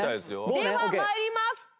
では参ります。